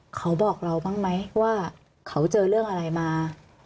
เขาบอกเราบ้างไหมว่าเขาเจอเรื่องอะไรมา